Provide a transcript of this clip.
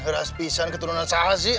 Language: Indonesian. rasbisaan keturunan salah sih